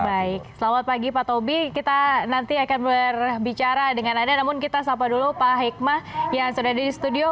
baik selamat pagi pak tobi kita nanti akan berbicara dengan anda namun kita sapa dulu pak hikmah yang sudah ada di studio